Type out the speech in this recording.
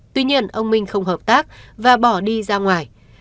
tuy nhiên ông minh không hợp tác và bỏ đi ra ngoài